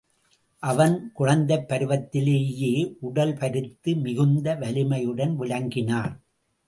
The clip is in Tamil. அவன், குழந்தைப் பருவத்திலேயே உடல் பருத்து, மிகுந்த வலிமையுடன் விளங்கினான்.